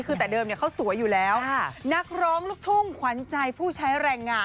คือแต่เดิมเนี่ยเขาสวยอยู่แล้วนักร้องลูกทุ่งขวัญใจผู้ใช้แรงงาน